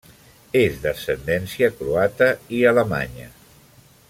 És d'ascendència croata i alemanya.